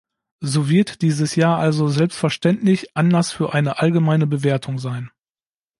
So wird dieses Jahr also selbstverständlich Anlass für eine allgemeine Bewertung sein.